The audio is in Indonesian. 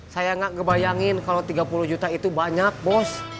saya nggak ngebayangin kalau tiga puluh juta itu banyak bos